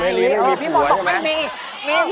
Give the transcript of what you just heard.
เมรีไม่มีผัวใช่ไหม